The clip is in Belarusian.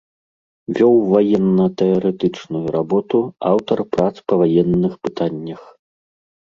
Вёў ваенна-тэарэтычную работу, аўтар прац па ваенных пытаннях.